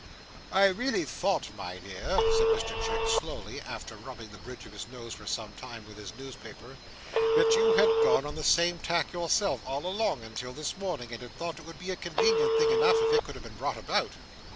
"I really thought, my dear," said Mr Chick slowly, after rubbing the bridge of his nose for some time with his newspaper, "that you had gone on the same tack yourself, all along, until this morning; and had thought it would be a convenient thing enough, if it could have been brought about."